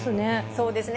そうですね。